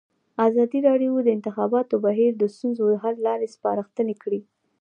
ازادي راډیو د د انتخاباتو بهیر د ستونزو حل لارې سپارښتنې کړي.